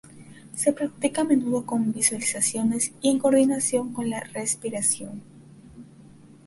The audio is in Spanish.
Se practica a menudo con visualizaciones y en coordinación con la respiración.